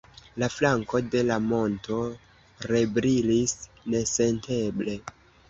La flanko de la monto rebrilis nesenteble.